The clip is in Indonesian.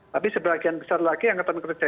tapi sebagian besar lagi yang ketemu kerja